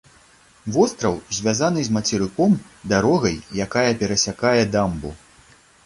Востраў звязаны з мацерыком дарогай, якая перасякае дамбу.